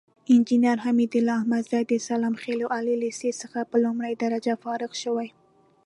انجينر حميدالله احمدزى د سلام خيلو عالي ليسې څخه په لومړۍ درجه فارغ شوى.